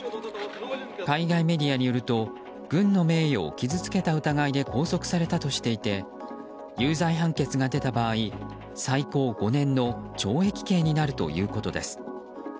海外メディアによると軍の名誉を傷つけた疑いで拘束されたとしていて有罪判決が出た場合最高５年の懲役刑になるということです。